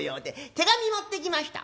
「手紙持ってきました！」。